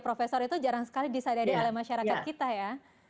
profesor itu jarang sekali di sada sada masyarakat kita ya